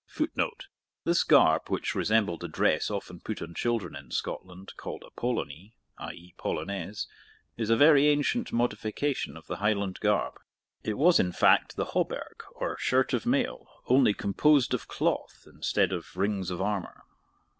[Footnote: This garb, which resembled the dress often put on children in Scotland, called a polonie (i. e. polonaise), is a very ancient modification of the Highland garb. It was, in fact, the hauberk or shirt of mail, only composed of cloth instead of rings of armour.